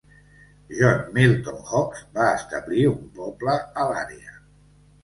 John Milton Hawks va establir un poble a l'àrea.